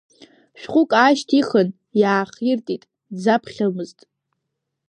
Шәҟәык аашьҭихын, иаахиртит, дзаԥхьомызт.